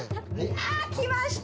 ああ来ました！